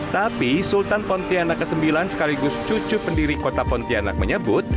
tapi sultan pontianak ix sekaligus cucu pendiri kota pontianak menyebut